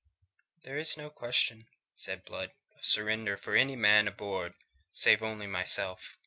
"There is no question," said Blood, "of surrender for any man aboard save only myself.